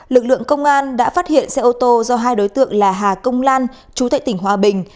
lực lượng công an đã phát hiện xe ô tô do hai đối tượng là hà công lan chú tệ tỉnh hòa bình